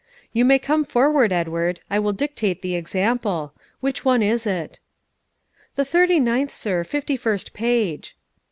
"You may come forward, Edward. I will dictate the example; which one is it?" "The thirty ninth, sir; fifty first page."